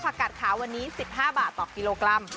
กัดขาววันนี้๑๕บาทต่อกิโลกรัม